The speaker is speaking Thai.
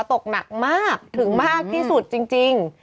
ตกหนักมากถึงมากที่สุดจริง